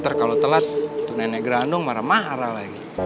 ntar kalau telat nenek grandong marah marah lagi